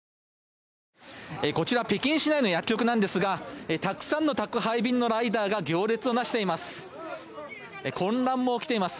北京市内の薬局ですがたくさんの宅配便のライダーが行列をなしています。